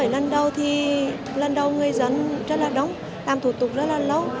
bảy lần đầu thì lần đầu người dân rất là đông làm thủ tục rất là lâu